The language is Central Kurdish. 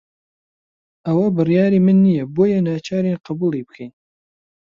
ئەوە بڕیاری من نییە، بۆیە ناچارین قبوڵی بکەین.